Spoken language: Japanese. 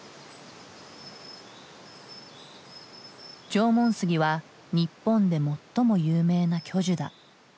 縄文杉は日本で最も有名な巨樹だ。